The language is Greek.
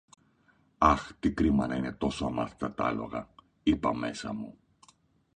Αχ, τι κρίμα να είναι τόσο αμάθητα τ' άλογα, είπα μέσα μου